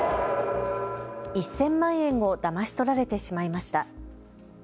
１０００万円をだまし取られてしまいました。